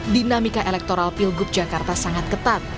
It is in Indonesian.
dinamika elektoral pilgub jakarta sangat ketat